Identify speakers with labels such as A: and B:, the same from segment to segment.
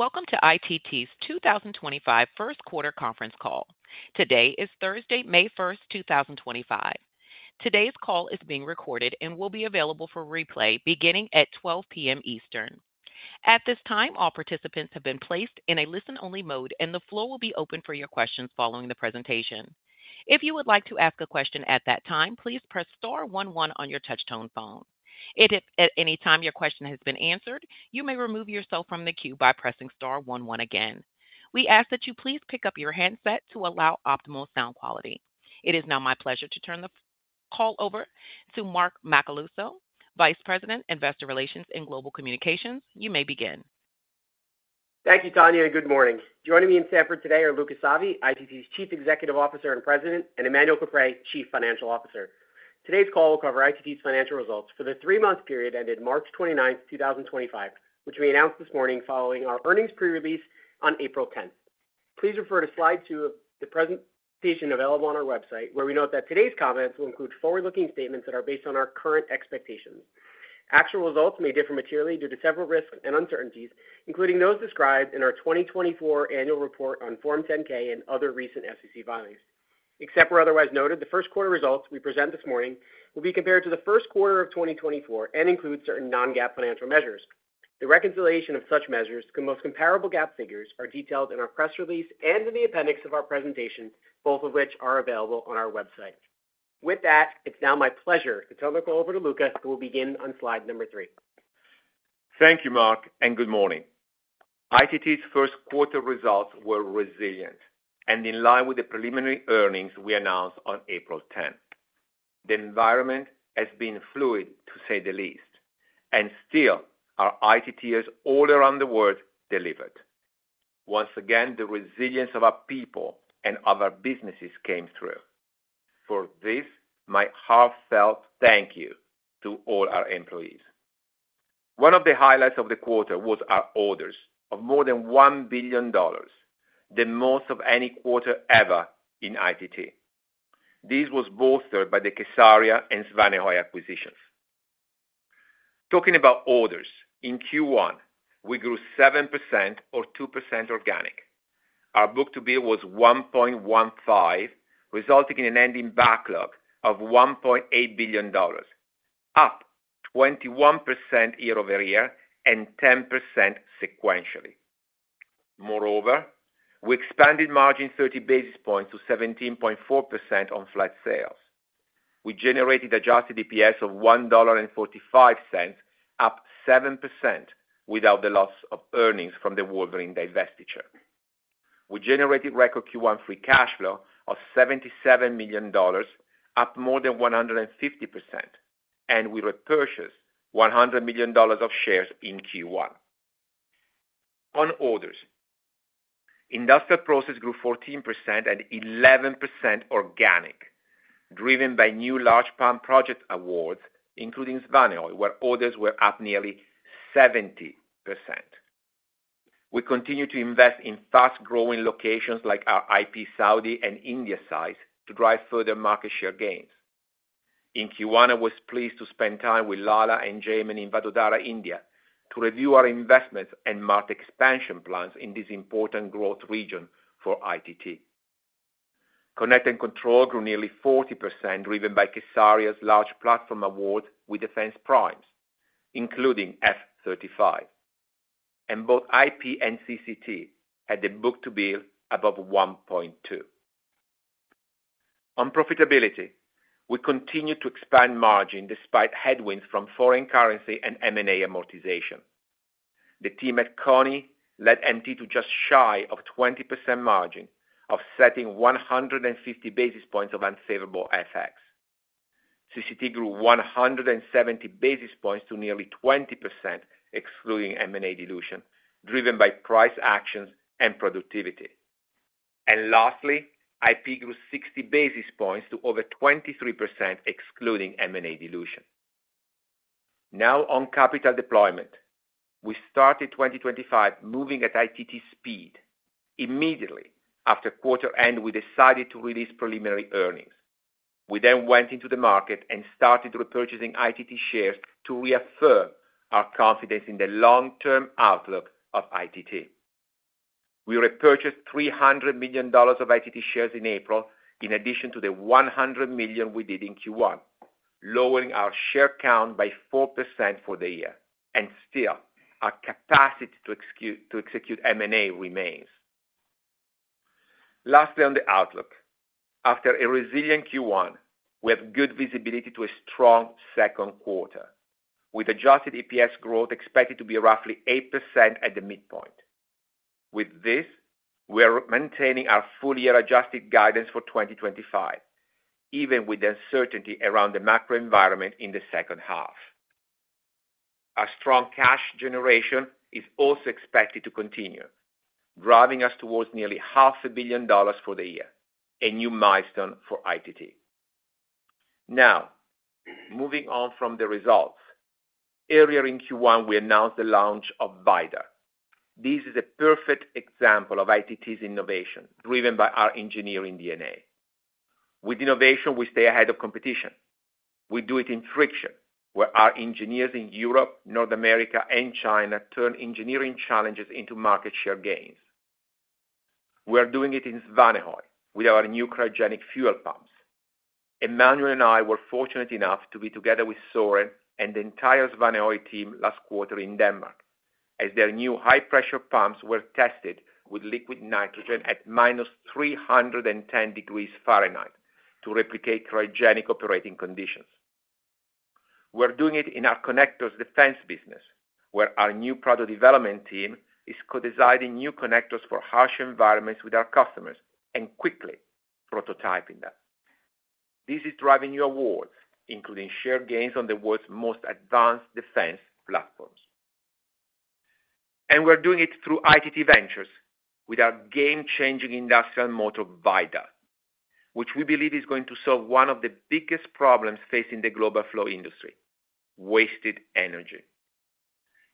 A: Welcome to ITT's 2025 First Quarter Conference Call. Today is Thursday, May 1, 2025. Today's call is being recorded and will be available for replay beginning at 12:00 P.M. Eastern. At this time, all participants have been placed in a listen-only mode, and the floor will be open for your questions following the presentation. If you would like to ask a question at that time, please press star one one on your touchtone phone. If at any time your question has been answered, you may remove yourself from the queue by pressing star one one again. We ask that you please pick up your handset to allow optimal sound quality. It is now my pleasure to turn the call over to Mark Macaluso, Vice President, Investor Relations and Global Communications. You may begin.
B: Thank you, Tony, and good morning. Joining me in Stamford today are Luca Savi, ITT's Chief Executive Officer and President, and Emmanuel Caprais, Chief Financial Officer. Today's call will cover ITT's financial results for the three-month period ended March 29, 2025, which we announced this morning following our earnings pre-release on April 10. Please refer to slide two of the presentation available on our website, where we note that today's comments will include forward-looking statements that are based on our current expectations. Actual results may differ materially due to several risks and uncertainties, including those described in our 2024 annual report on Form 10-K and other recent SEC filings. Except for otherwise noted, the first quarter results we present this morning will be compared to the first quarter of 2024 and include certain non-GAAP financial measures. The reconciliation of such measures to most comparable GAAP figures are detailed in our press release and in the appendix of our presentation, both of which are available on our website. With that, it's now my pleasure to turn the call over to Luca, who will begin on slide number three.
C: Thank you, Mark, and good morning. ITT's first quarter results were resilient and in line with the preliminary earnings we announced on April 10. The environment has been fluid, to say the least, and still, our ITTers all around the world delivered. Once again, the resilience of our people and of our businesses came through. For this, my heartfelt thank you to all our employees. One of the highlights of the quarter was our orders of more than $1 billion, the most of any quarter ever in ITT. This was bolstered by the kSARIA and Svanehøj acquisitions. Talking about orders, in Q1, we grew 7% or 2% organic. Our book-to-bill was 1.15, resulting in an ending backlog of $1.8 billion, up 21% year-over-year and 10% sequentially. Moreover, we expanded margin 30 basis points to 17.4% on flat sales. We generated adjusted EPS of $1.45, up 7% without the loss of earnings from the Wolverine divestiture. We generated record Q1 free cash flow of $77 million, up more than 150%, and we repurchased $100 million of shares in Q1. On orders, Industrial Process grew 14% and 11% organic, driven by new large pump project awards, including Svanehøj, where orders were up nearly 70%. We continue to invest in fast-growing locations like our IP Saudi and India sites to drive further market share gains. In Q1, I was pleased to spend time with Lala and Jaimin in Vadodara, India, to review our investments and marked expansion plans in this important growth region for ITT. Connect & Control grew nearly 40%, driven by kSARIA large platform awards with Defense Primes, including F-35. Both IP and CCT had a book-to-bill above 1.2. On profitability, we continue to expand margin despite headwinds from foreign currency and M&A amortization. The team at Koni led MT to just shy of 20% margin offsetting 150 basis points of unfavorable FX. CCT grew 170 basis points to nearly 20%, excluding M&A dilution, driven by price actions and productivity. Lastly, IP grew 60 basis points to over 23%, excluding M&A dilution. Now, on capital deployment, we started 2025 moving at ITT speed. Immediately after quarter end, we decided to release preliminary earnings. We then went into the market and started repurchasing ITT shares to reaffirm our confidence in the long-term outlook of ITT. We repurchased $300 million of ITT shares in April, in addition to the $100 million we did in Q1, lowering our share count by 4% for the year. Still, our capacity to execute M&A remains. Lastly, on the outlook, after a resilient Q1, we have good visibility to a strong second quarter, with adjusted EPS growth expected to be roughly 8% at the midpoint. With this, we are maintaining our full-year adjusted guidance for 2025, even with uncertainty around the macro environment in the second half. Our strong cash generation is also expected to continue, driving us towards nearly $500,000,000 for the year, a new milestone for ITT. Now, moving on from the results, earlier in Q1, we announced the launch of VIDAR. This is a perfect example of ITT's innovation, driven by our engineering DNA. With innovation, we stay ahead of competition. We do it in friction, where our engineers in Europe, North America, and China turn engineering challenges into market share gains. We are doing it in Svanehøj with our new cryogenic fuel pumps. Emmanuel and I were fortunate enough to be together with Soren and the entire Svanehøj team last quarter in Denmark, as their new high-pressure pumps were tested with liquid nitrogen at minus 310 degrees Fahrenheit to replicate cryogenic operating conditions. We are doing it in our connectors defense business, where our new product development team is co-designing new connectors for harsh environments with our customers and quickly prototyping them. This is driving new awards, including share gains on the world's most advanced defense platforms. We are doing it through ITT Ventures with our game-changing industrial motor VIDAR, which we believe is going to solve one of the biggest problems facing the global flow industry: wasted energy.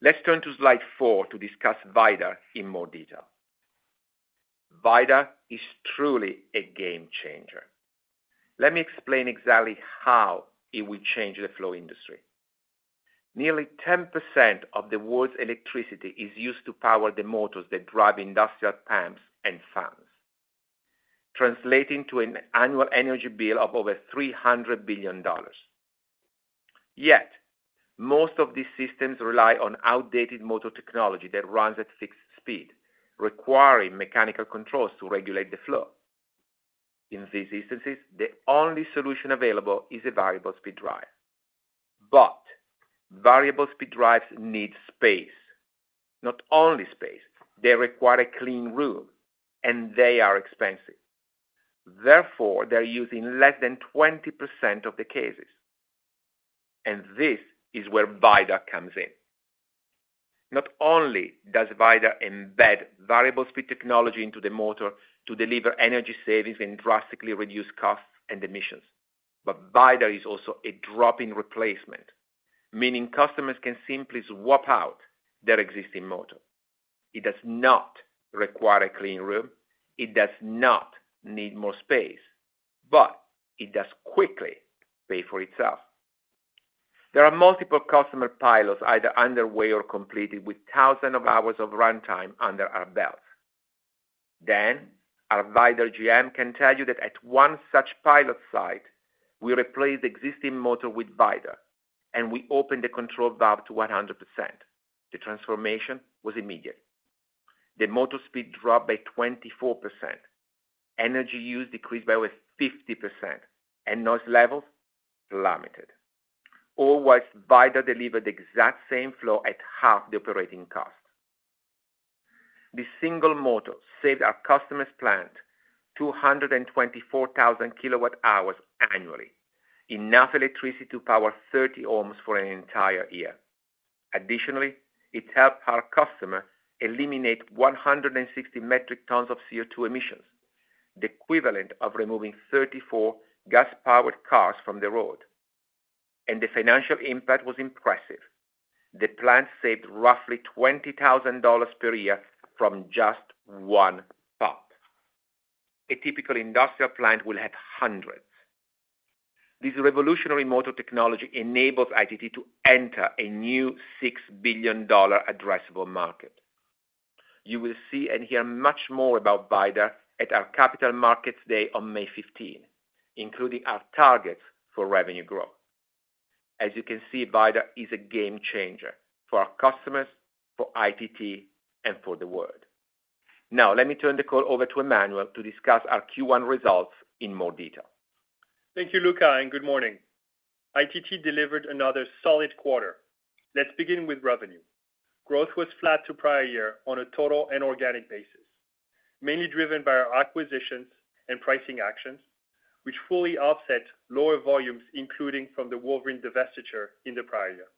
C: Let's turn to slide four to discuss VIDAR in more detail. VIDAR is truly a game changer. Let me explain exactly how it will change the flow industry. Nearly 10% of the world's electricity is used to power the motors that drive industrial pumps and fans, translating to an annual energy bill of over $300 billion. Yet, most of these systems rely on outdated motor technology that runs at fixed speed, requiring mechanical controls to regulate the flow. In these instances, the only solution available is a variable speed drive. Variable speed drives need space. Not only space, they require a clean room, and they are expensive. Therefore, they're used in less than 20% of the cases. This is where VIDAR comes in. Not only does VIDAR embed variable speed technology into the motor to deliver energy savings and drastically reduce costs and emissions, but VIDAR is also a drop-in replacement, meaning customers can simply swap out their existing motor. It does not require a clean room. It does not need more space, but it does quickly pay for itself. There are multiple customer pilots either underway or completed with thousands of hours of runtime under our belts. Our VIDAR GM can tell you that at one such pilot site, we replaced the existing motor with VIDAR, and we opened the control valve to 100%. The transformation was immediate. The motor speed dropped by 24%. Energy use decreased by over 50%, and noise levels plummeted. All whilst VIDAR delivered the exact same flow at half the operating cost. This single motor saved our customer's plant 224,000 kWh annually, enough electricity to power 30 homes for an entire year. Additionally, it helped our customer eliminate 160 metric tons of CO2 emissions, the equivalent of removing 34 gas-powered cars from the road. The financial impact was impressive. The plant saved roughly $20,000 per year from just one pump. A typical industrial plant will have hundreds. This revolutionary motor technology enables ITT to enter a new $6 billion addressable market. You will see and hear much more about VIDAR at our Capital Markets Day on May 15, including our targets for revenue growth. As you can see, VIDAR is a game changer for our customers, for ITT, and for the world. Now, let me turn the call over to Emmanuel to discuss our Q1 results in more detail.
D: Thank you, Luca, and good morning. ITT delivered another solid quarter. Let's begin with revenue. Growth was flat to prior year on a total and organic basis, mainly driven by our acquisitions and pricing actions, which fully offset lower volumes, including from the Wolverine divestiture in the prior year.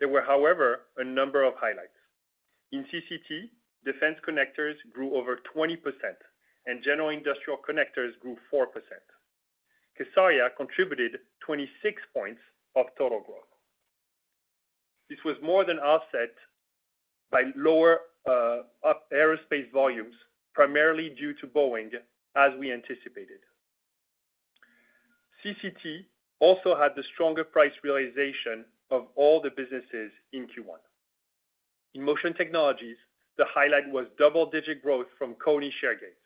D: There were, however, a number of highlights. In CCT, defense connectors grew over 20%, and general industrial connectors grew 4%. kSARIA contributed 26 percentage points of total growth. This was more than offset by lower aerospace volumes, primarily due to Boeing, as we anticipated. CCT also had the stronger price realization of all the businesses in Q1. In Motion Technologies, the highlight was double-digit growth from Koni share gains.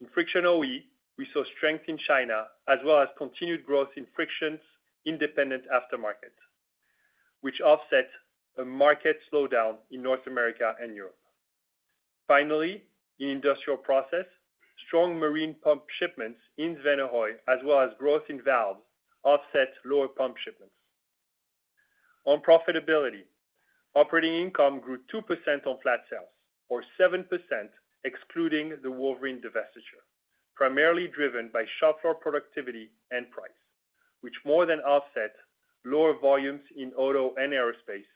D: In friction OE, we saw strength in China, as well as continued growth in friction's independent aftermarket, which offset a market slowdown in North America and Europe. Finally, in Industrial Process, strong marine pump shipments in Svanehøj, as well as growth in valves, offset lower pump shipments. On profitability, operating income grew 2% on flat sales, or 7%, excluding the Wolverine divestiture, primarily driven by shop floor productivity and price, which more than offset lower volumes in auto and aerospace,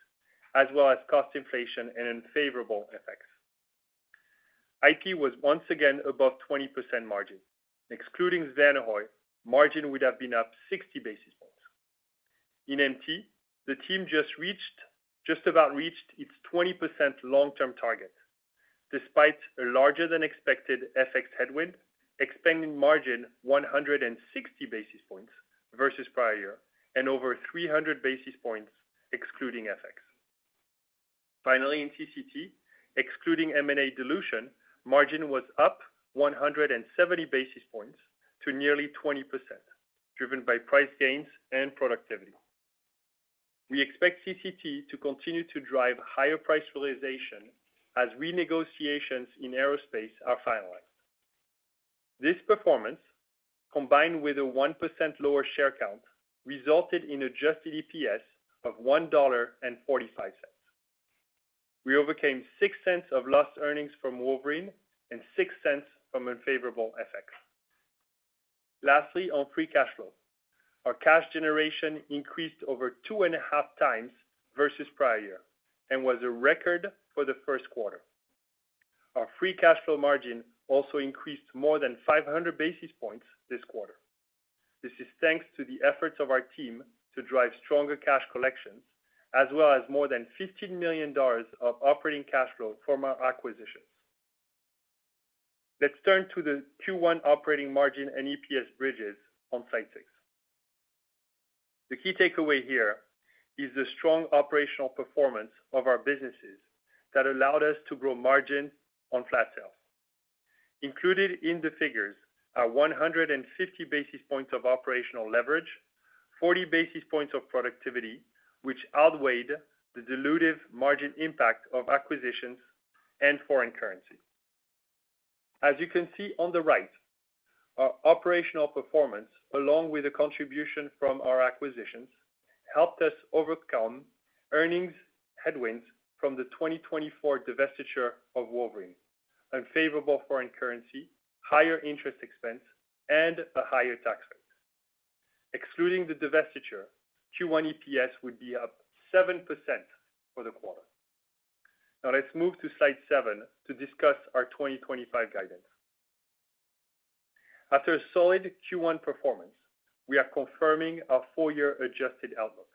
D: as well as cost inflation and unfavorable effects. IT was once again above 20% margin. Excluding Svanehøj, margin would have been up 60 basis points. In MT, the team just about reached its 20% long-term target, despite a larger than expected FX headwind, expanding margin 160 basis points versus prior year and over 300 basis points, excluding FX. Finally, in CCT, excluding M&A dilution, margin was up 170 basis points to nearly 20%, driven by price gains and productivity. We expect CCT to continue to drive higher price realization as renegotiations in aerospace are finalized. This performance, combined with a 1% lower share count, resulted in adjusted EPS of $1.45. We overcame $0.06 of lost earnings from Wolverine and $0.06 from unfavorable FX. Lastly, on free cash flow, our cash generation increased over two and a half times versus prior year and was a record for the first quarter. Our free cash flow margin also increased more than 500 basis points this quarter. This is thanks to the efforts of our team to drive stronger cash collections, as well as more than $15 million of operating cash flow from our acquisitions. Let's turn to the Q1 operating margin and EPS bridges on Slide 6. The key takeaway here is the strong operational performance of our businesses that allowed us to grow margin on flat sales. Included in the figures are 150 basis points of operational leverage, 40 basis points of productivity, which outweighed the dilutive margin impact of acquisitions and foreign currency. As you can see on the right, our operational performance, along with the contribution from our acquisitions, helped us overcome earnings headwinds from the 2024 divestiture of Wolverine: unfavorable foreign currency, higher interest expense, and a higher tax rate. Excluding the divestiture, Q1 EPS would be up 7% for the quarter. Now, let's move to slide seven to discuss our 2025 guidance. After a solid Q1 performance, we are confirming our four-year adjusted outlook.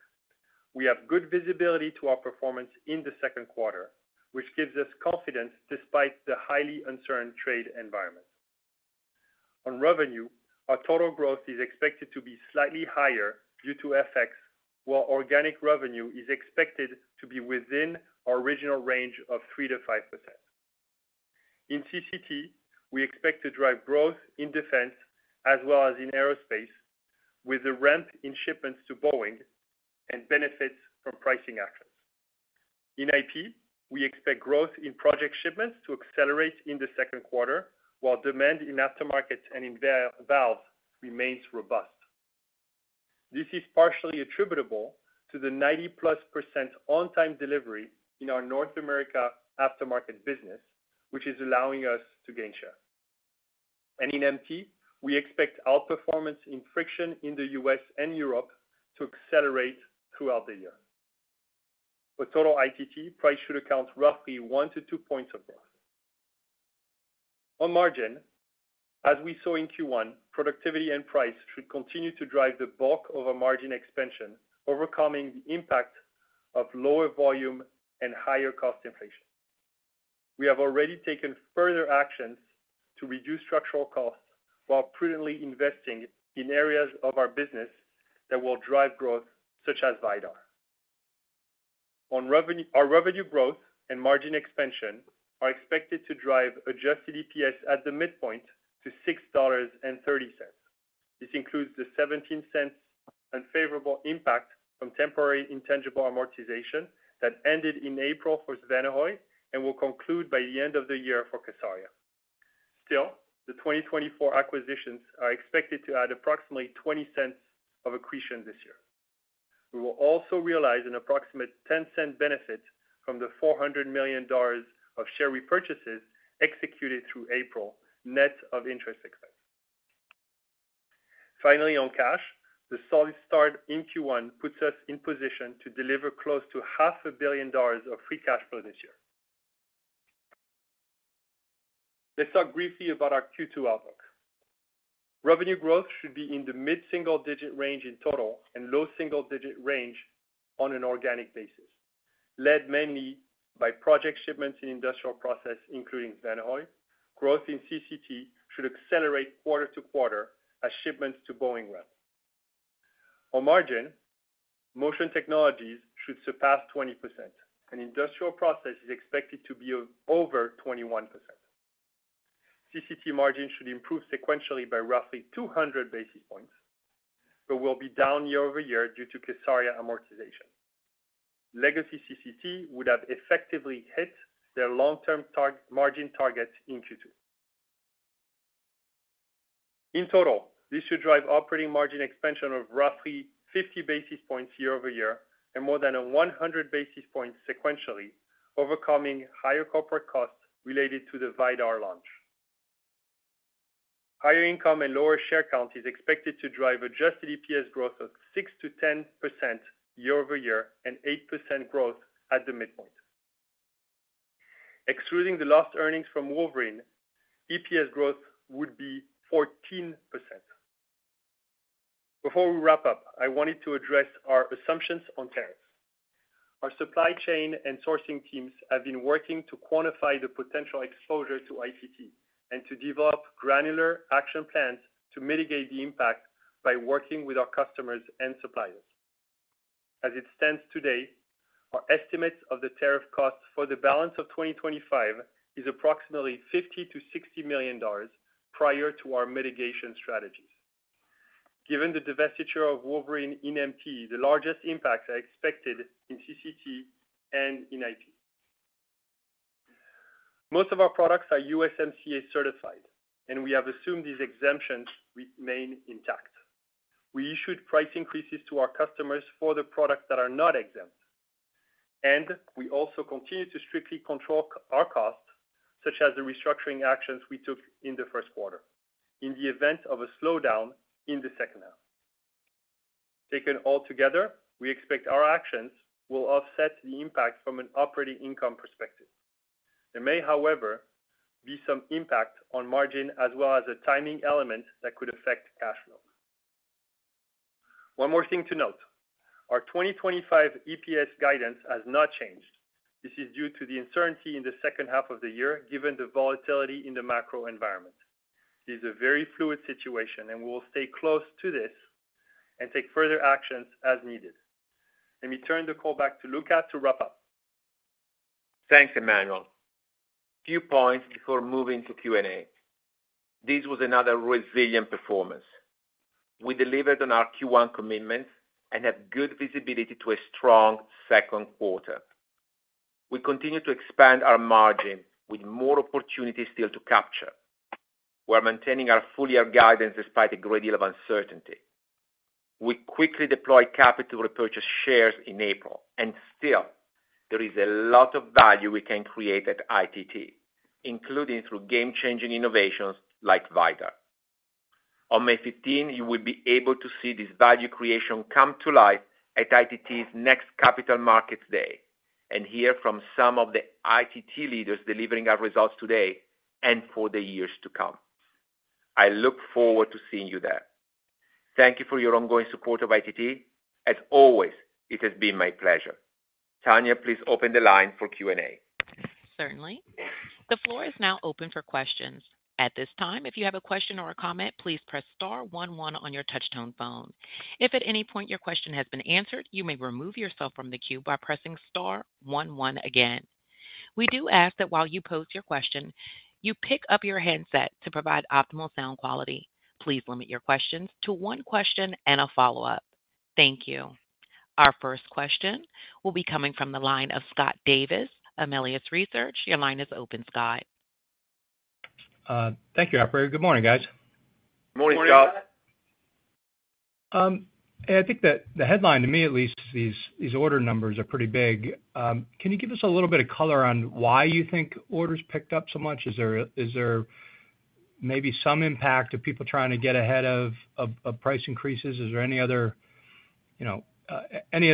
D: We have good visibility to our performance in the second quarter, which gives us confidence despite the highly uncertain trade environment. On revenue, our total growth is expected to be slightly higher due to FX, while organic revenue is expected to be within our original range of 3%-5%. In CCT, we expect to drive growth in defense as well as in aerospace, with a ramp in shipments to Boeing and benefits from pricing actions. In IP, we expect growth in project shipments to accelerate in the second quarter, while demand in aftermarkets and in valves remains robust. This is partially attributable to the 90+% on-time delivery in our North America aftermarket business, which is allowing us to gain share. In MT, we expect outperformance in friction in the U.S. and Europe to accelerate throughout the year. For total ITT, price should account roughly one to two points of growth. On margin, as we saw in Q1, productivity and price should continue to drive the bulk of our margin expansion, overcoming the impact of lower volume and higher cost inflation. We have already taken further actions to reduce structural costs while prudently investing in areas of our business that will drive growth, such as VIDAR. On revenue, our revenue growth and margin expansion are expected to drive adjusted EPS at the midpoint to $6.30. This includes the $0.17 unfavorable impact from temporary intangible amortization that ended in April for Svanehøj and will conclude by the end of the year for kSARIA. Still, the 2024 acquisitions are expected to add approximately $0.20 of accretion this year. We will also realize an approximate $0.10 benefit from the $400 million of share repurchases executed through April, net of interest expense. Finally, on cash, the solid start in Q1 puts us in position to deliver close to $500,000,000 of free cash flow this year. Let's talk briefly about our Q2 outlook. Revenue growth should be in the mid-single-digit range in total and low single-digit range on an organic basis, led mainly by project shipments in Industrial Process, including Svanehøj. Growth in CCT should accelerate quarter to quarter as shipments to Boeing ramp. On margin, Motion Technologies should surpass 20%, and Industrial Process is expected to be over 21%. CCT margin should improve sequentially by roughly 200 basis points, but will be down year-over-year due to kSARIA amortization. Legacy CCT would have effectively hit their long-term margin targets in Q2. In total, this should drive operating margin expansion of roughly 50 basis points year-over-year and more than 100 basis points sequentially, overcoming higher corporate costs related to the VIDAR launch. Higher income and lower share count is expected to drive adjusted EPS growth of 6% to 10% year-over-year and 8% growth at the midpoint. Excluding the lost earnings from Wolverine, EPS growth would be 14%. Before we wrap up, I wanted to address our assumptions on tariffs. Our supply chain and sourcing teams have been working to quantify the potential exposure to ITT and to develop granular action plans to mitigate the impact by working with our customers and suppliers. As it stands today, our estimates of the tariff costs for the balance of 2025 is approximately $50 million-$60 million prior to our mitigation strategies. Given the divestiture of Wolverine in MT, the largest impacts are expected in CCT and in ITT. Most of our products are USMCA certified, and we have assumed these exemptions remain intact. We issued price increases to our customers for the products that are not exempt, and we also continue to strictly control our costs, such as the restructuring actions we took in the first quarter in the event of a slowdown in the second half. Taken all together, we expect our actions will offset the impact from an operating income perspective. There may, however, be some impact on margin as well as a timing element that could affect cash flow. One more thing to note: our 2025 EPS guidance has not changed. This is due to the uncertainty in the second half of the year, given the volatility in the macro environment. This is a very fluid situation, and we will stay close to this and take further actions as needed. Let me turn the call back to Luca to wrap up.
C: Thanks, Emmanuel. Few points before moving to Q&A. This was another resilient performance. We delivered on our Q1 commitments and have good visibility to a strong second quarter. We continue to expand our margin with more opportunities still to capture. We are maintaining our full-year guidance despite a great deal of uncertainty. We quickly deployed capital repurchase shares in April, and still, there is a lot of value we can create at ITT, including through game-changing innovations like VIDAR. On May 15, you will be able to see this value creation come to life at ITT's next Capital Markets Day and hear from some of the ITT leaders delivering our results today and for the years to come. I look forward to seeing you there. Thank you for your ongoing support of ITT. As always, it has been my pleasure. Tanya, please open the line for Q&A.
A: Certainly. The floor is now open for questions. At this time, if you have a question or a comment, please press star one one on your touchtone phone. If at any point your question has been answered, you may remove yourself from the queue by pressing star one one again. We do ask that while you post your question, you pick up your headset to provide optimal sound quality. Please limit your questions to one question and a follow-up. Thank you. Our first question will be coming from the line of Scott Davis, Melius Research. Your line is open, Scott.
E: Thank you Operator. Good morning, guys.
C: Good morning, Scott.
E: Hey, I think that the headline, to me at least, these order numbers are pretty big. Can you give us a little bit of color on why you think orders picked up so much? Is there maybe some impact of people trying to get ahead of price increases? Is there any other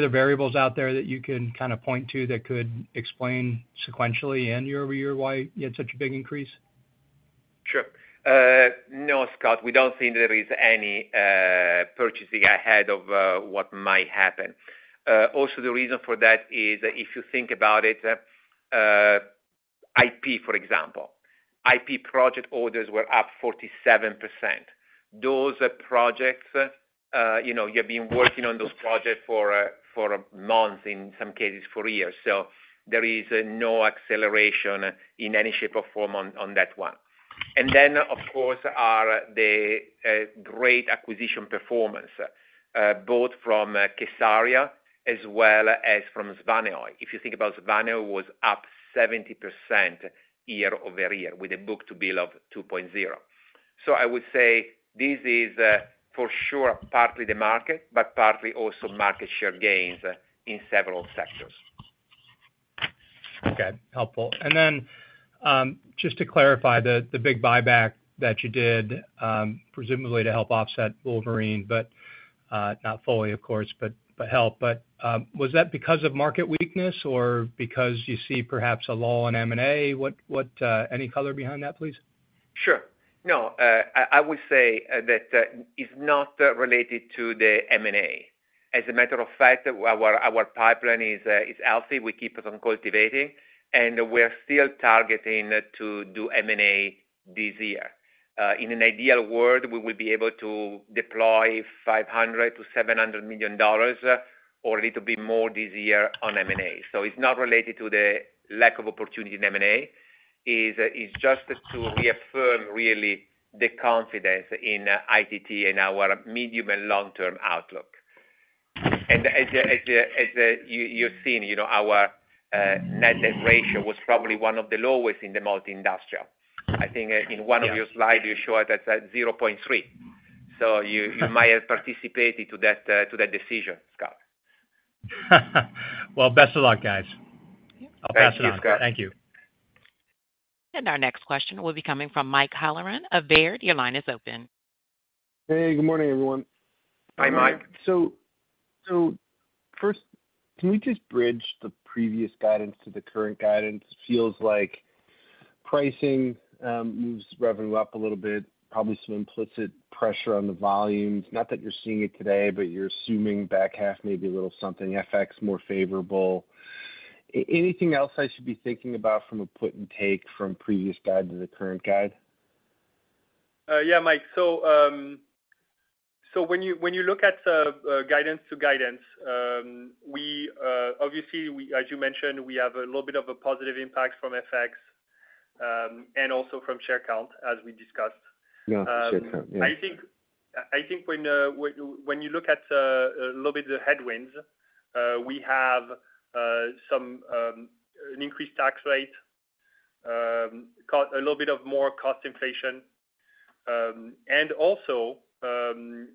E: variables out there that you can kind of point to that could explain sequentially and year-over-year why you had such a big increase?
C: Sure. No, Scott, we don't think there is any purchasing ahead of what might happen. Also, the reason for that is, if you think about it, IP, for example, IP project orders were up 47%. Those projects, you have been working on those projects for months, in some cases for years. There is no acceleration in any shape or form on that one. Of course, there are the great acquisition performances, both from kSARIA as well as from Svanehøj. If you think about Svanehøj, it was up 70% year-over-year with a book-to-bill of 2.0. I would say this is for sure partly the market, but partly also market share gains in several sectors.
E: Okay. Helpful. And then just to clarify the big buyback that you did, presumably to help offset Wolverine, but not fully, of course, but help, but was that because of market weakness or because you see perhaps a lull in M&A? Any color behind that, please?
C: Sure. No, I would say that it's not related to the M&A. As a matter of fact, our pipeline is healthy. We keep on cultivating, and we are still targeting to do M&A this year. In an ideal world, we will be able to deploy $500 million-$700 million or a little bit more this year on M&A. It's not related to the lack of opportunity in M&A. It's just to reaffirm really the confidence in ITT and our medium and long-term outlook. As you've seen, our net ratio was probably one of the lowest in the multi-industrial. I think in one of your slides, you showed us at 0.3. You might have participated to that decision, Scott.
E: Best of luck, guys. I'll pass it off. Thank you.
A: Our next question will be coming from Mike Halloran of Baird. Your line is open.
F: Hey, good morning, everyone.
C: Hi, Mike.
F: Can we just bridge the previous guidance to the current guidance? It feels like pricing moves revenue up a little bit, probably some implicit pressure on the volumes. Not that you're seeing it today, but you're assuming back half maybe a little something, FX more favorable. Anything else I should be thinking about from a put and take from previous guide to the current guide?
D: Yeah, Mike. When you look at guidance to guidance, obviously, as you mentioned, we have a little bit of a positive impact from FX and also from share count, as we discussed.
F: Yeah, share count.
D: I think when you look at a little bit of the headwinds, we have an increased tax rate, a little bit of more cost inflation. Also,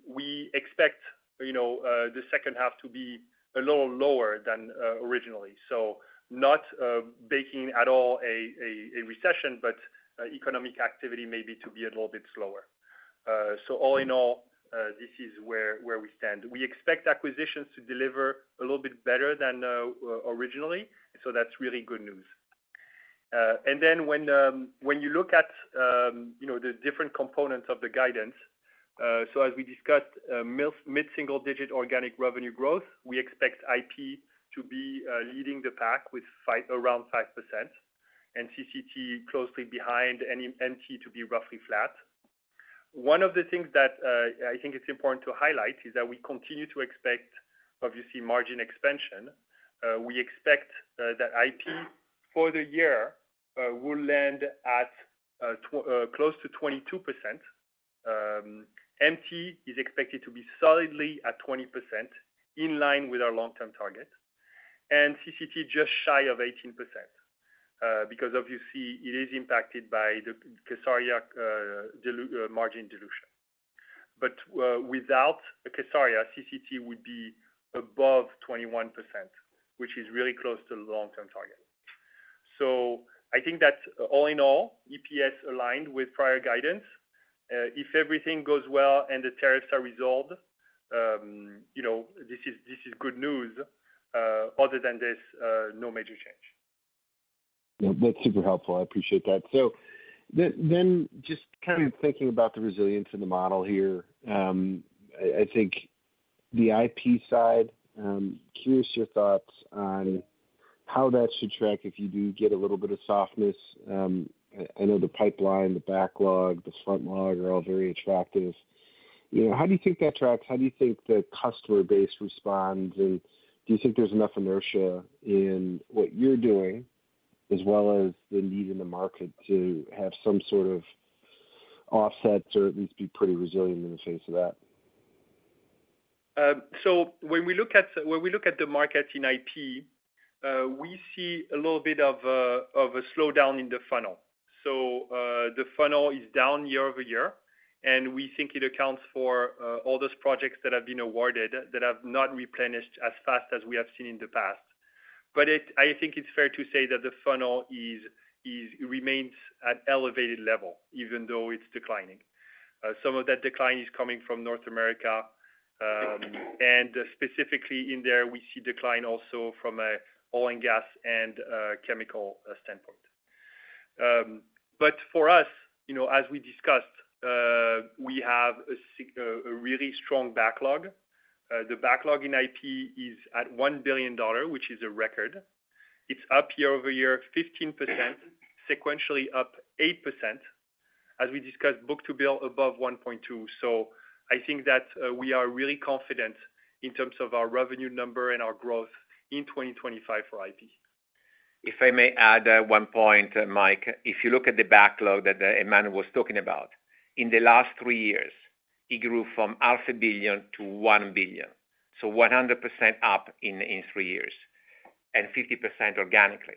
D: we expect the second half to be a little lower than originally. Not baking at all a recession, but economic activity maybe to be a little bit slower. All in all, this is where we stand. We expect acquisitions to deliver a little bit better than originally. That's really good news. When you look at the different components of the guidance, as we discussed, mid-single-digit organic revenue growth, we expect IP to be leading the pack with around 5% and CCT closely behind and MT to be roughly flat. One of the things that I think it's important to highlight is that we continue to expect, obviously, margin expansion. We expect that IP for the year will land at close to 22%. MT is expected to be solidly at 20% in line with our long-term target. CCT just shy of 18% because, obviously, it is impacted by the kSARIA margin dilution. Without kSARIA CCT would be above 21%, which is really close to the long-term target. I think that all in all, EPS aligned with prior guidance. If everything goes well and the tariffs are resolved, this is good news. Other than this, no major change.
F: That's super helpful. I appreciate that. Just kind of thinking about the resilience in the model here, I think the IP side, curious your thoughts on how that should track if you do get a little bit of softness. I know the pipeline, the backlog, the frontlog are all very attractive. How do you think that tracks? How do you think the customer base responds? Do you think there's enough inertia in what you're doing as well as the need in the market to have some sort of offset or at least be pretty resilient in the face of that?
D: When we look at the market in IP, we see a little bit of a slowdown in the funnel. The funnel is down year-over-year, and we think it accounts for all those projects that have been awarded that have not replenished as fast as we have seen in the past. I think it's fair to say that the funnel remains at an elevated level, even though it's declining. Some of that decline is coming from North America. Specifically in there, we see decline also from an oil and gas and chemical standpoint. For us, as we discussed, we have a really strong backlog. The backlog in IP is at $1 billion, which is a record. It's up year-over-year, 15%, sequentially up 8%. As we discussed, book-to-bill above 1.2. I think that we are really confident in terms of our revenue number and our growth in 2025 for IP.
C: If I may add one point, Mike, if you look at the backlog that Emmanuel was talking about, in the last three years, it grew from $500,000,000 to $1,000,000,000. So 100% up in three years and 50% organically.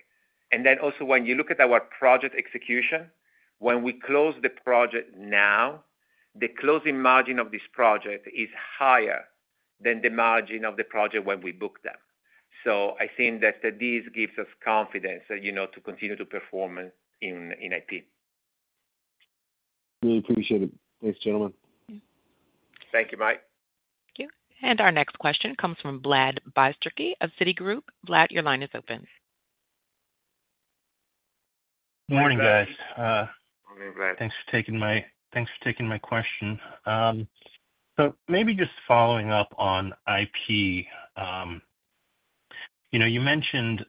C: Also, when you look at our project execution, when we close the project now, the closing margin of this project is higher than the margin of the project when we booked them. I think that this gives us confidence to continue to perform in IP.
F: Really appreciate it. Thanks, gentlemen.
C: Thank you, Mike.
A: Thank you. Our next question comes from Vlad Bystricky of Citigroup. Vlad, your line is open.
G: Morning, guys.
F: Morning, Vlad.
G: Thanks for taking my question. Maybe just following up on IP, you mentioned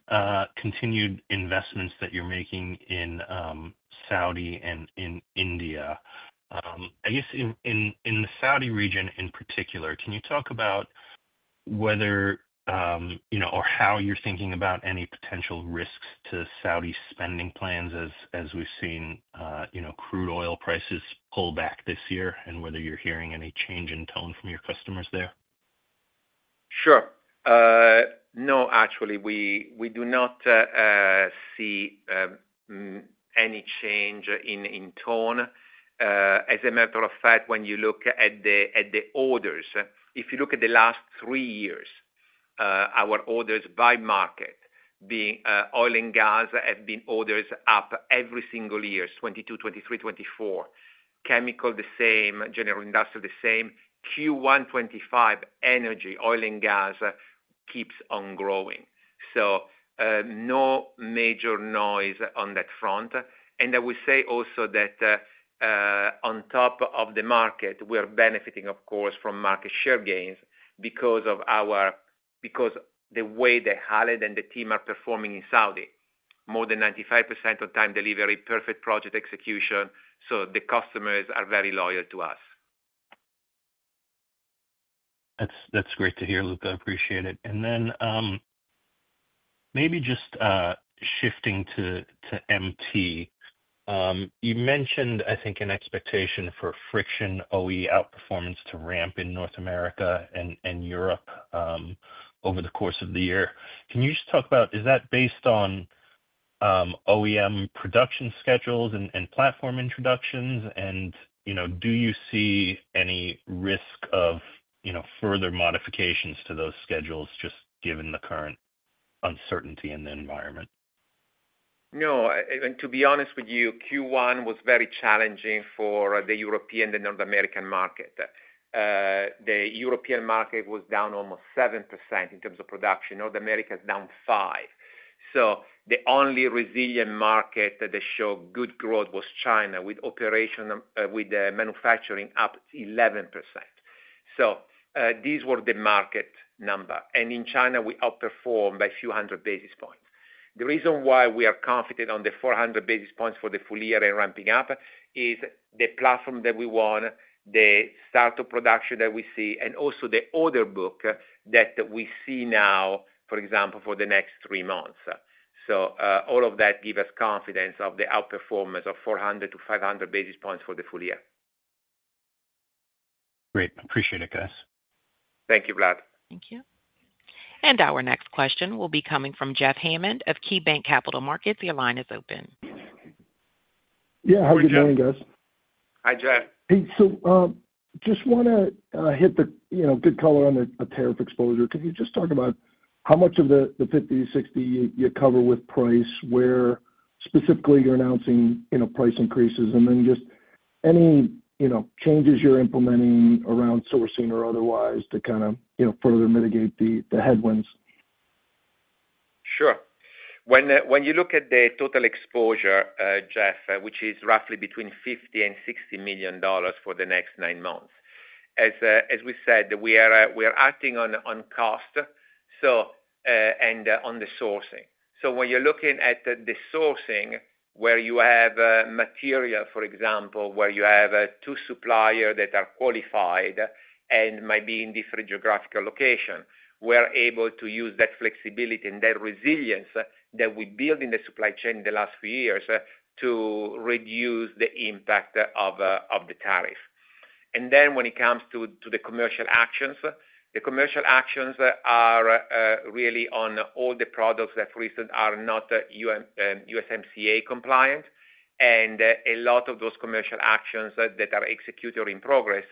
G: continued investments that you're making in Saudi and in India. I guess in the Saudi region in particular, can you talk about whether or how you're thinking about any potential risks to Saudi spending plans as we've seen crude oil prices pull back this year and whether you're hearing any change in tone from your customers there?
C: Sure. No, actually, we do not see any change in tone. As a matter of fact, when you look at the orders, if you look at the last three years, our orders by market being oil and gas have been orders up every single year, 2022, 2023, 2024. Chemical the same, general industrial the same. Q1 2025, energy, oil and gas keeps on growing. No major noise on that front. I would say also that on top of the market, we're benefiting, of course, from market share gains because of the way that Khaled and the team are performing in Saudi. More than 95% of time delivery, perfect project execution. The customers are very loyal to us.
G: That's great to hear, Luca. I appreciate it. Maybe just shifting to MT, you mentioned, I think, an expectation for friction OE outperformance to ramp in North America and Europe over the course of the year. Can you just talk about, is that based on OEM production schedules and platform introductions? Do you see any risk of further modifications to those schedules just given the current uncertainty in the environment?
C: No. To be honest with you, Q1 was very challenging for the European and North American market. The European market was down almost 7% in terms of production. North America is down 5%. The only resilient market that showed good growth was China with manufacturing up 11%. These were the market numbers. In China, we outperformed by a few hundred basis points. The reason why we are confident on the 400 basis points for the full year and ramping up is the platform that we want, the startup production that we see, and also the order book that we see now, for example, for the next three months. All of that gives us confidence of the outperformance of 400-500 basis points for the full year.
G: Great. Appreciate it, guys.
C: Thank you, Vlad.
A: Thank you. Our next question will be coming from Jeff Hammond of KeyBank Capital Markets. Your line is open.
H: Yeah. How are you doing, guys?
C: Hi, Jeff.
H: Hey. Just want to hit the good color on the tariff exposure. Can you just talk about how much of the $50-$60 you cover with price, where specifically you're announcing price increases, and then just any changes you're implementing around sourcing or otherwise to kind of further mitigate the headwinds?
C: Sure. When you look at the total exposure, Jeff, which is roughly between $50 million and $60 million for the next nine months, as we said, we are acting on cost and on the sourcing. When you're looking at the sourcing where you have material, for example, where you have two suppliers that are qualified and might be in different geographical locations, we're able to use that flexibility and that resilience that we built in the supply chain in the last few years to reduce the impact of the tariff. When it comes to the commercial actions, the commercial actions are really on all the products that, for instance, are not USMCA compliant. A lot of those commercial actions that are executed or in progress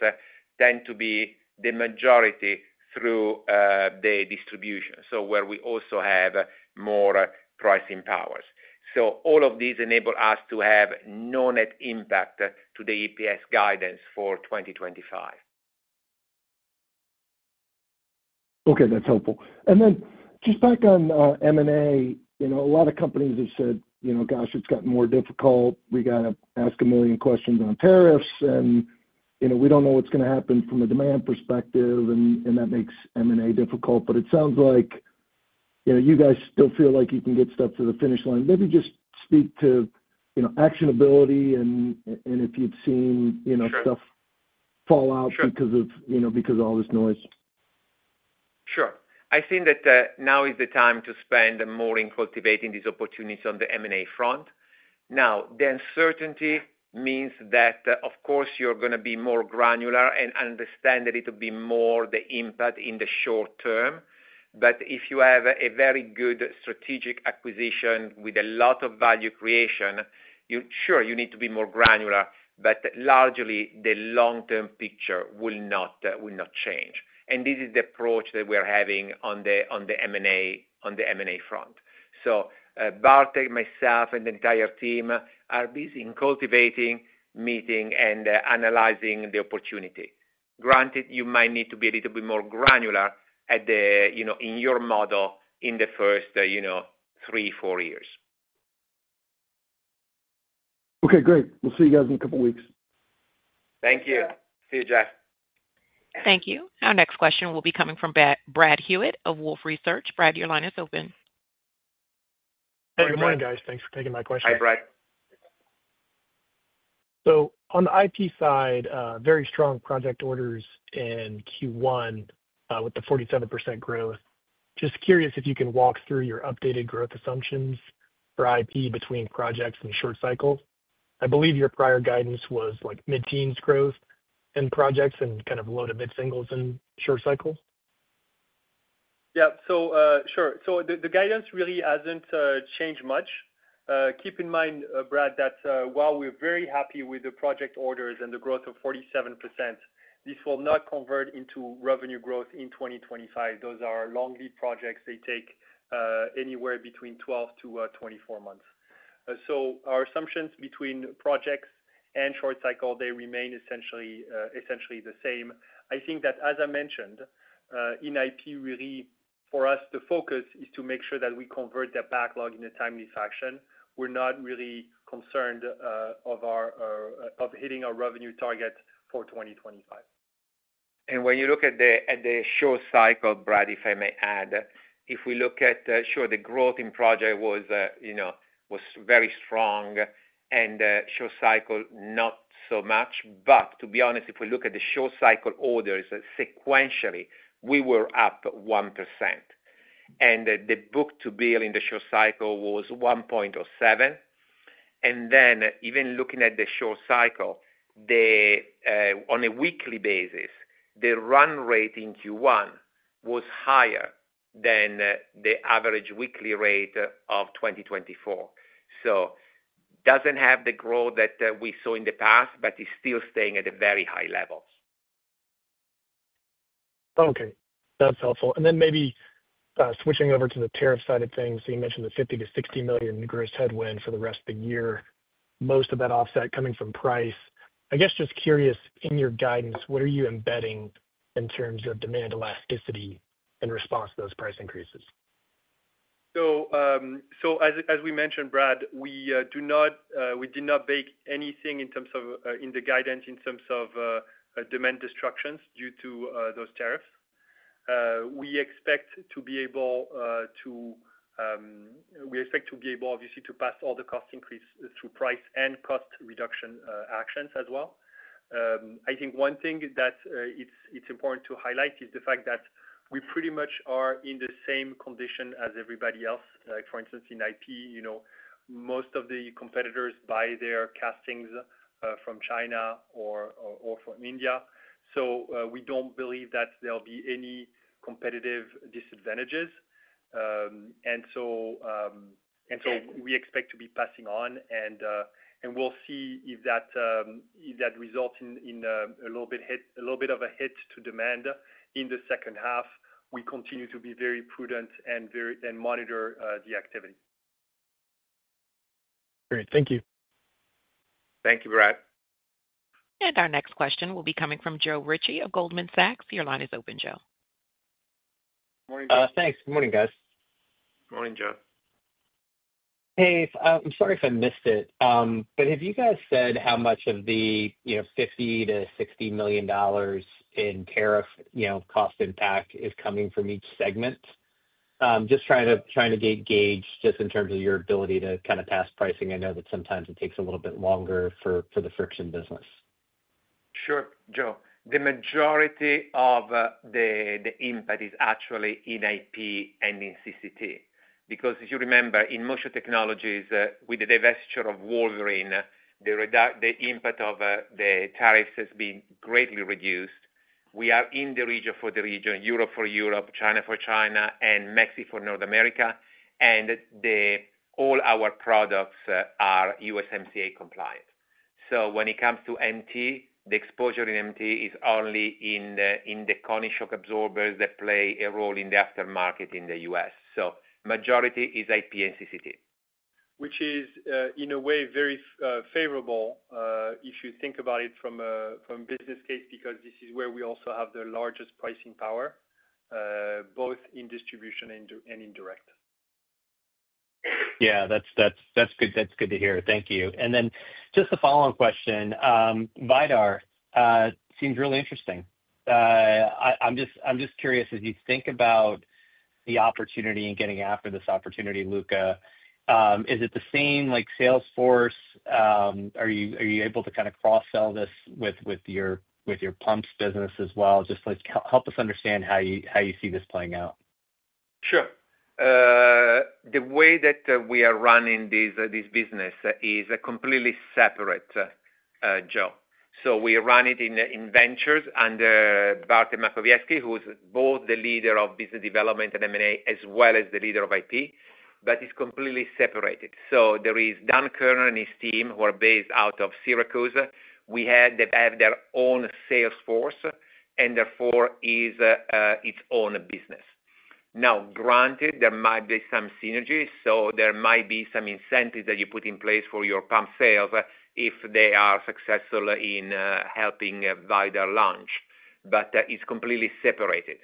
C: tend to be the majority through the distribution, where we also have more pricing powers. All of these enable us to have no net impact to the EPS guidance for 2025.
H: Okay. That's helpful. Then just back on M&A, a lot of companies have said, "Gosh, it's gotten more difficult. We got to ask a million questions on tariffs, and we don't know what's going to happen from a demand perspective," and that makes M&A difficult. It sounds like you guys still feel like you can get stuff to the finish line. Maybe just speak to actionability and if you've seen stuff fall out because of all this noise.
C: Sure. I think that now is the time to spend more in cultivating these opportunities on the M&A front. Now, the uncertainty means that, of course, you're going to be more granular and understand that it will be more the impact in the short term. If you have a very good strategic acquisition with a lot of value creation, sure, you need to be more granular, but largely the long-term picture will not change. This is the approach that we're having on the M&A front. Bartek, myself, and the entire team are busy in cultivating, meeting, and analyzing the opportunity. Granted, you might need to be a little bit more granular in your model in the first three, four years.
H: Okay. Great. We'll see you guys in a couple of weeks.
C: Thank you. See you, Jeff.
A: Thank you. Our next question will be coming from Brad Hewitt of Wolfe Research. Brad, your line is open.
I: Hey, good morning, guys. Thanks for taking my question.
C: Hi, Brad.
I: On the IP side, very strong project orders in Q1 with the 47% growth. Just curious if you can walk through your updated growth assumptions for IP between projects and short cycles. I believe your prior guidance was mid-teens growth in projects and kind of low to mid-singles in short cycles.
D: Yeah. Sure. The guidance really hasn't changed much. Keep in mind, Brad, that while we're very happy with the project orders and the growth of 47%, this will not convert into revenue growth in 2025. Those are long lead projects. They take anywhere between 12-24 months. Our assumptions between projects and short cycle remain essentially the same. I think that, as I mentioned, in IP, really, for us, the focus is to make sure that we convert that backlog in a timely fashion. We're not really concerned of hitting our revenue target for 2025.
C: If we look at the short cycle, Brad, if I may add, the growth in project was very strong and short cycle not so much. To be honest, if we look at the short cycle orders sequentially, we were up 1%. The book-to-bill in the short cycle was 1.07. Even looking at the short cycle, on a weekly basis, the run rate in Q1 was higher than the average weekly rate of 2024. It does not have the growth that we saw in the past, but it is still staying at a very high level.
I: Okay. That's helpful. Maybe switching over to the tariff side of things, you mentioned the $50 million-$60 million gross headwind for the rest of the year, most of that offset coming from price. I guess just curious, in your guidance, what are you embedding in terms of demand elasticity in response to those price increases?
D: As we mentioned, Brad, we did not bake anything in the guidance in terms of demand destructions due to those tariffs. We expect to be able to, obviously, pass all the cost increase through price and cost reduction actions as well. I think one thing that is important to highlight is the fact that we pretty much are in the same condition as everybody else. For instance, in IP, most of the competitors buy their castings from China or from India. We do not believe that there will be any competitive disadvantages. We expect to be passing on, and we will see if that results in a little bit of a hit to demand in the second half. We continue to be very prudent and monitor the activity.
I: Great. Thank you.
D: Thank you, Brad.
A: Our next question will be coming from Joe Ritchie of Goldman Sachs. Your line is open, Joe.
J: Morning, guys. Thanks. Good morning, guys.
C: Good morning, Joe.
J: Hey, I'm sorry if I missed it, but have you guys said how much of the $50 million-$60 million in tariff cost impact is coming from each segment? Just trying to gauge just in terms of your ability to kind of pass pricing. I know that sometimes it takes a little bit longer for the friction business.
C: Sure, Joe. The majority of the impact is actually in IP and in CCT. Because if you remember, in Motion Technologies, with the divestiture of Wolverine, the impact of the tariffs has been greatly reduced. We are in the region for the region, Europe for Europe, China for China, and Mexico for North America. All our products are USMCA compliant. When it comes to MT, the exposure in MT is only in the Koni shock absorbers that play a role in the aftermarket in the U.S. The majority is IP and CCT.
D: Which is, in a way, very favorable if you think about it from a business case because this is where we also have the largest pricing power, both in distribution and indirect.
J: Yeah. That's good to hear. Thank you. Just a follow-on question. VIDAR seems really interesting. I'm just curious, as you think about the opportunity and getting after this opportunity, Luca, is it the same like sales force? Are you able to kind of cross-sell this with your pumps business as well? Just help us understand how you see this playing out.
C: Sure. The way that we are running this business is a completely separate job. We run it in ventures under Bartek Makowiecki, who's both the leader of business development and M&A as well as the leader of IP, but it's completely separated. There is Dan Kernan and his team who are based out of Syracuse. They have their own sales force, and therefore it's its own business. Granted, there might be some synergies, so there might be some incentives that you put in place for your pump sales if they are successful in helping VIDAR launch. It is completely separated.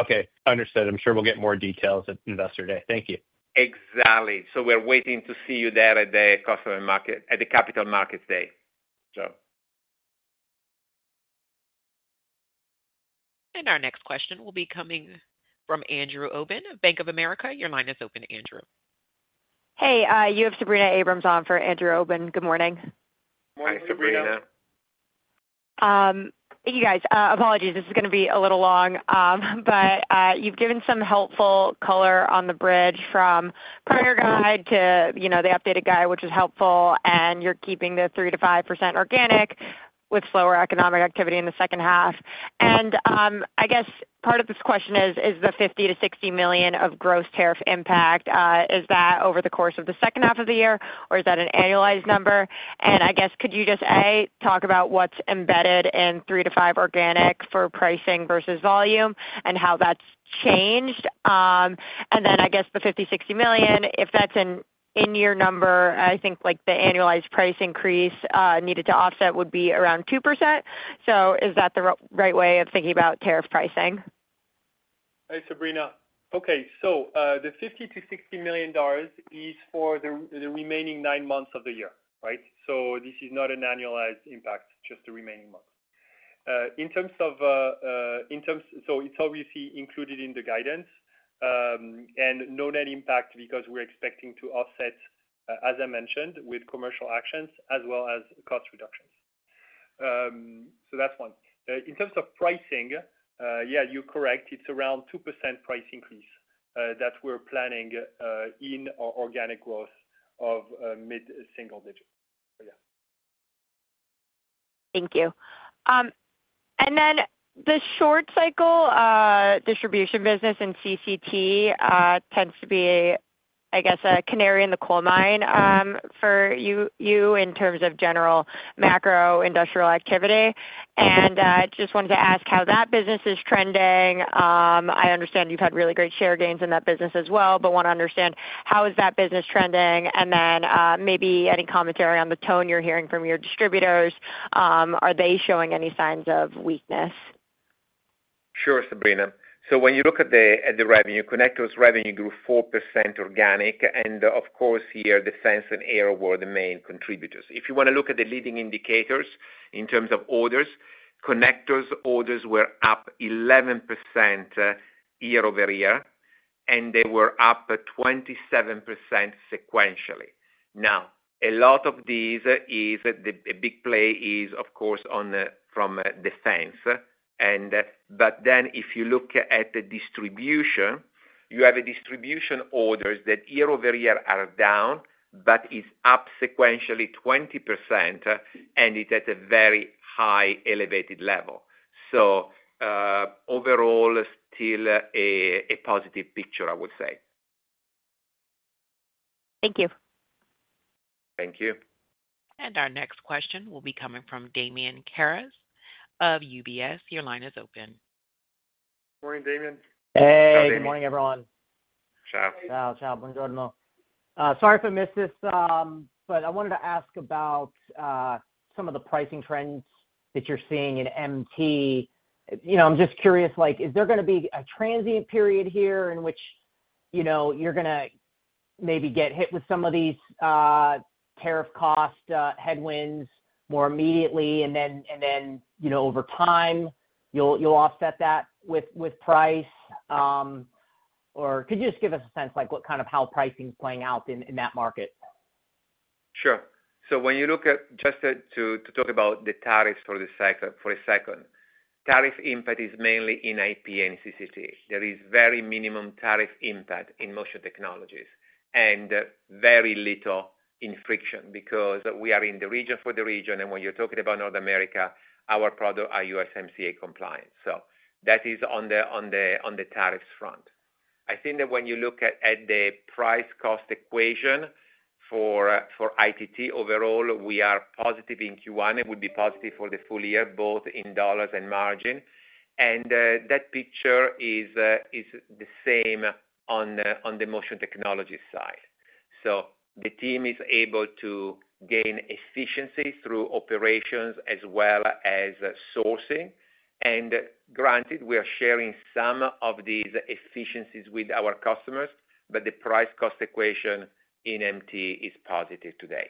J: Okay. Understood. I'm sure we'll get more details at Investor Day. Thank you.
C: Exactly. We are waiting to see you there at the Capital Markets Day, Joe.
A: Our next question will be coming from Andrew Obin, Bank of America. Your line is open, Andrew.
K: Hey, you have Sabrina Abrams on for Andrew Obin. Good morning.
C: Morning, Sabrina.
K: Hey, guys. Apologies. This is going to be a little long, but you've given some helpful color on the bridge from prior guide to the updated guide, which is helpful, and you're keeping the 3%-5% organic with slower economic activity in the second half. I guess part of this question is, is the $50 million-60 million of gross tariff impact, is that over the course of the second half of the year, or is that an annualized number? I guess could you just, A, talk about what's embedded in 3%-5% organic for pricing versus volume and how that's changed? I guess the $50 million-60 million, if that's an in-year number, I think the annualized price increase needed to offset would be around 2%. Is that the right way of thinking about tariff pricing?
D: Hey, Sabrina. Okay. The $50 million-$60 million is for the remaining nine months of the year, right? This is not an annualized impact, just the remaining months. In terms of, in terms, it is obviously included in the guidance and no net impact because we're expecting to offset, as I mentioned, with commercial actions as well as cost reductions. That's one. In terms of pricing, yeah, you're correct. It's around 2% price increase that we're planning in organic growth of mid-single digit. Yeah.
K: Thank you. The short cycle distribution business in CCT tends to be, I guess, a canary in the coal mine for you in terms of general macro industrial activity. I just wanted to ask how that business is trending. I understand you've had really great share gains in that business as well, but want to understand how is that business trending? Maybe any commentary on the tone you're hearing from your distributors? Are they showing any signs of weakness?
C: Sure, Sabrina. When you look at the revenue, connectors revenue grew 4% organic. Of course, here, defense and air were the main contributors. If you want to look at the leading indicators in terms of orders, connectors orders were up 11% year-over-year, and they were up 27% sequentially. A lot of this is a big play from defense. If you look at the distribution, you have distribution orders that year-over-year are down, but it's up sequentially 20%, and it's at a very high elevated level. Overall, still a positive picture, I would say.
K: Thank you.
C: Thank you.
A: Our next question will be coming from Damien Karas of UBS. Your line is open.
C: Morning, Damien.
L: Hey. Good morning, everyone. Sorry if I missed this, but I wanted to ask about some of the pricing trends that you're seeing in MT. I'm just curious, is there going to be a transient period here in which you're going to maybe get hit with some of these tariff cost headwinds more immediately, and then over time, you'll offset that with price? Or could you just give us a sense of what kind of how pricing's playing out in that market?
C: Sure. When you look at just to talk about the tariffs for a second, tariff impact is mainly in IP and CCT. There is very minimum tariff impact in Motion Technologies and very little in friction because we are in the region for the region. When you're talking about North America, our products are USMCA compliant. That is on the tariffs front. I think that when you look at the price-cost equation for ITT overall, we are positive in Q1. It would be positive for the full year, both in dollars and margin. That picture is the same on the Motion Technologies side. The team is able to gain efficiencies through operations as well as sourcing. Granted, we are sharing some of these efficiencies with our customers, but the price-cost equation in MT is positive today.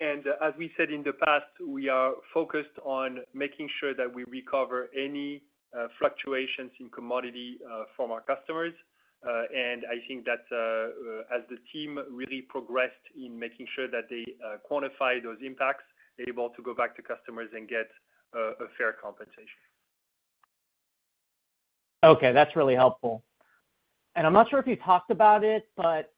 D: As we said in the past, we are focused on making sure that we recover any fluctuations in commodity from our customers. I think that as the team really progressed in making sure that they quantify those impacts, able to go back to customers and get a fair compensation.
L: Okay. That's really helpful. I'm not sure if you talked about it, but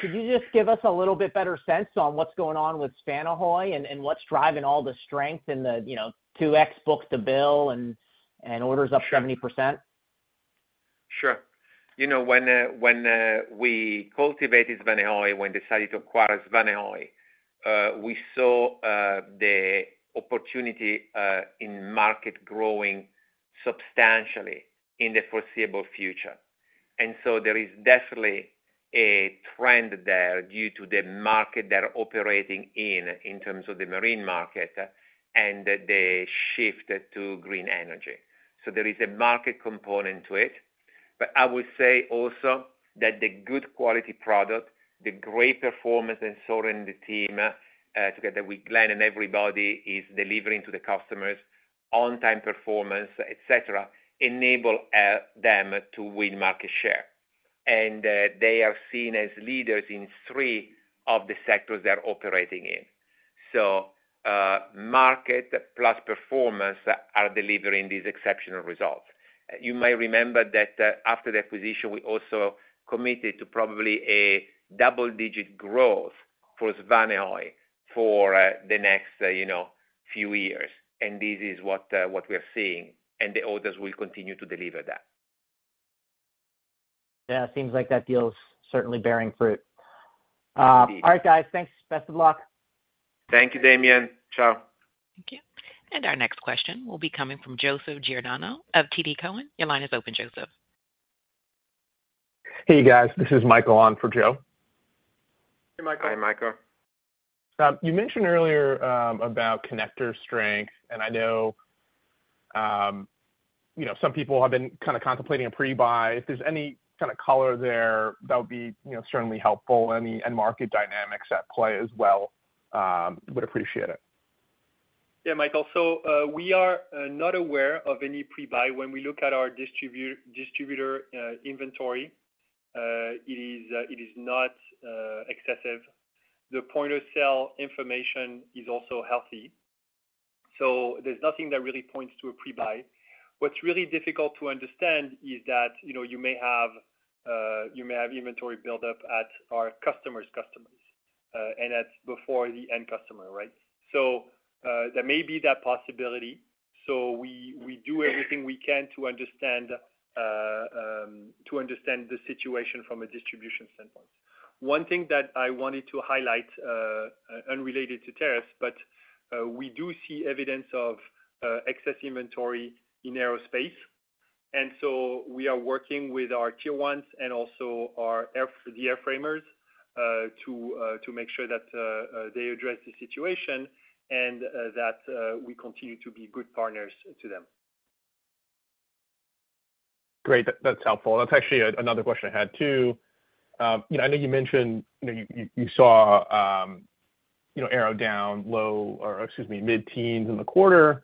L: could you just give us a little bit better sense on what's going on with Svanehøj and what's driving all the strength in the 2x book-to-bill and orders up 70%?
C: Sure. When we cultivated Svanehøj, when we decided to acquire Svanehøj, we saw the opportunity in market growing substantially in the foreseeable future. There is definitely a trend there due to the market they're operating in, in terms of the marine market and the shift to green energy. There is a market component to it. I would say also that the good quality product, the great performance and Søren the team together with Glenn and everybody is delivering to the customers, on-time performance, etc., enable them to win market share. They are seen as leaders in three of the sectors they're operating in. Market plus performance are delivering these exceptional results. You may remember that after the acquisition, we also committed to probably a double-digit growth for Svanehøj for the next few years. This is what we're seeing. Orders will continue to deliver that.
L: Yeah. It seems like that deal's certainly bearing fruit.
C: Indeed.
L: All right, guys. Thanks. Best of luck.
C: Thank you, Damien.
A: Thank you. Our next question will be coming from Joe Giordano of TD Cowen. Your line is open, Joseph.
M: Hey, guys. This is Michael on for Joe.
C: Hey, Michael.
D: Hi, Michael.
M: You mentioned earlier about connector strength, and I know some people have been kind of contemplating a pre-buy. If there's any kind of color there, that would be certainly helpful. Any market dynamics at play as well would appreciate it.
D: Yeah, Michael. We are not aware of any pre-buy. When we look at our distributor inventory, it is not excessive. The point of sale information is also healthy. There is nothing that really points to a pre-buy. What is really difficult to understand is that you may have inventory buildup at our customers' customers and before the end customer, right? There may be that possibility. We do everything we can to understand the situation from a distribution standpoint. One thing that I wanted to highlight, unrelated to tariffs, is that we do see evidence of excess inventory in aerospace. We are working with our Tier 1s and also the airframers to make sure that they address the situation and that we continue to be good partners to them.
M: Great. That's helpful. That's actually another question I had too. I know you mentioned you saw arrow down low or, excuse me, mid-teens in the quarter.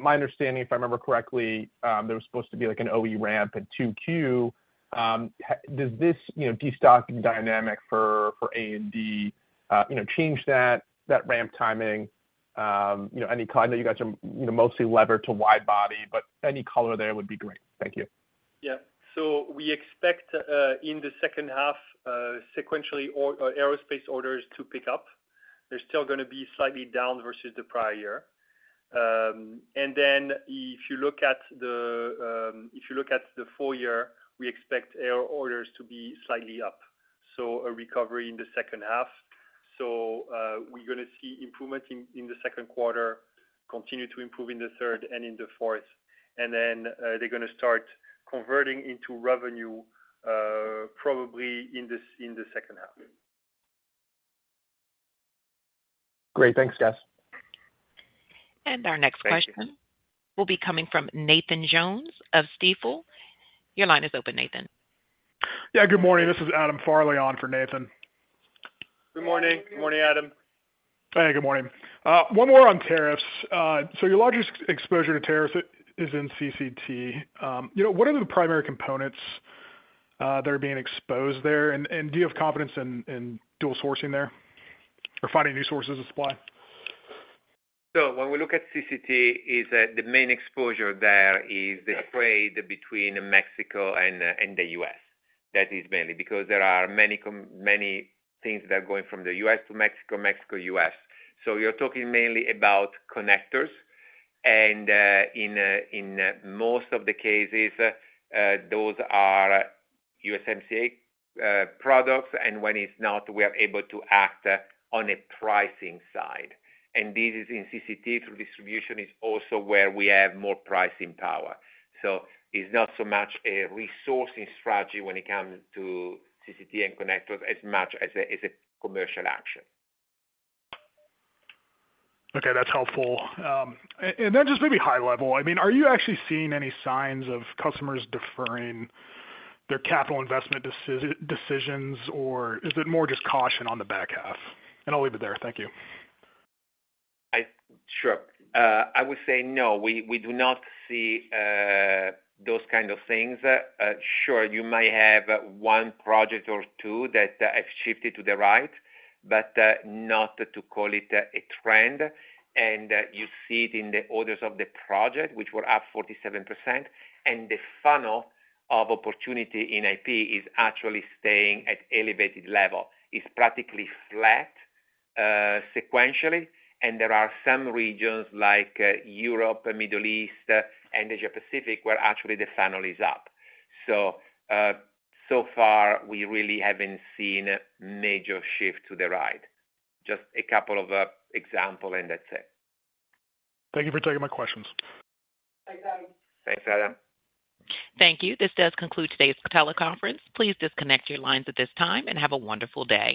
M: My understanding, if I remember correctly, there was supposed to be an OE ramp at 2Q. Does this destocking dynamic for A&D change that ramp timing? I know you guys are mostly levered to wide body, but any color there would be great. Thank you.
D: Yeah. We expect in the second half, sequentially, aerospace orders to pick up. They're still going to be slightly down versus the prior year. If you look at the full year, we expect air orders to be slightly up. A recovery in the second half. We're going to see improvements in the second quarter, continue to improve in the third and in the fourth. They're going to start converting into revenue probably in the second half.
M: Great. Thanks, guys.
A: Our next question will be coming from Nathan Jones of Stifel. Your line is open, Nathan.
N: Yeah. Good morning. This is Adam Farley on for Nathan.
C: Good morning. Good morning, Adam.
N: Hey, good morning. One more on tariffs. Your largest exposure to tariffs is in CCT. What are the primary components that are being exposed there? Do you have confidence in dual sourcing there or finding new sources of supply?
C: When we look at CCT, the main exposure there is the trade between Mexico and the U.S. That is mainly because there are many things that are going from the U.S. to Mexico, Mexico, U.S. You're talking mainly about connectors. In most of the cases, those are USMCA products. When it's not, we are able to act on a pricing side. This is in CCT through distribution, which is also where we have more pricing power. It is not so much a resourcing strategy when it comes to CCT and connectors as much as a commercial action.
N: Okay. That's helpful. I mean, are you actually seeing any signs of customers deferring their capital investment decisions, or is it more just caution on the back half? I'll leave it there. Thank you.
C: Sure. I would say no. We do not see those kind of things. Sure, you may have one project or two that have shifted to the right, but not to call it a trend. You see it in the orders of the project, which were up 47%. The funnel of opportunity in IP is actually staying at elevated level. It's practically flat sequentially. There are some regions like Europe, Middle East, and Asia-Pacific where actually the funnel is up. So far, we really haven't seen major shift to the right. Just a couple of examples and that's it.
N: Thank you for taking my questions.
C: Thanks, Adam.
A: Thank you. This does conclude today's teleconference. Please disconnect your lines at this time and have a wonderful day.